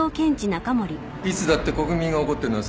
いつだって国民が怒ってるのは最初だけ。